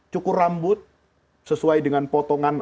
cukur rambut sesuai dengan potongan